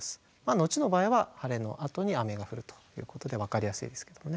「のち」の場合は晴れのあとに雨が降るということで分かりやすいですけどね。